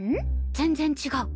全然違う。